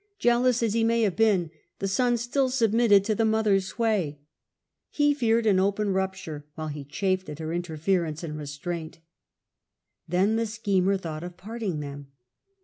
Jealous as he may have been, the son stiU submitted to the mother's sway. He feared an open rup ture, while he chafed at her interference and restraint. Then the schemer thought of parting them.